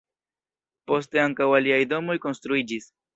Poste ankaŭ aliaj domoj konstruiĝis.